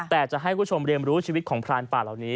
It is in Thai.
แต่จะให้คุณผู้ชมเรียนรู้ชีวิตของพรานป่าเหล่านี้